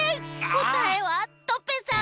こたえはトペさん。